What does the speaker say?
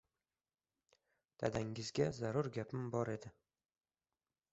Dadangizga zarur gapim bor edi.